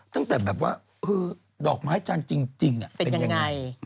ตั้งแต่แบบว่าดอกไม้จันทร์จริงเป็นยังไง